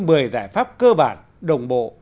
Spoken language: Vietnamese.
một mươi giải pháp cơ bản đồng bộ